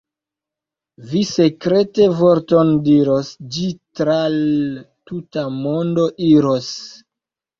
Vi sekrete vorton diros, ĝi tra l' tuta mondo iros.